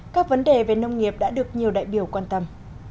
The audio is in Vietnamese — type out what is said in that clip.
các vấn đề về nông nghiệp đã được nhiều đại biểu quan tâm